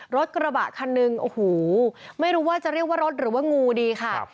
รถกระบะคันหนึ่งโอ้โหไม่รู้ว่าจะเรียกว่ารถหรือว่างูดีค่ะ